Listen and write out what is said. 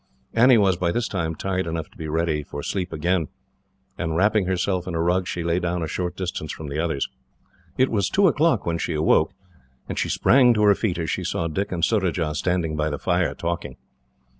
Annie was, by this time, tired enough to be ready for sleep again, and, wrapping herself in a rug, she lay down at a short distance from the others. It was two o'clock when she awoke, and she sprang to her feet as she saw Dick and Surajah standing by the fire, talking.